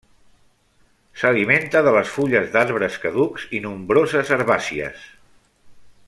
S'alimenta de les fulles d'arbres caducs i nombroses herbàcies.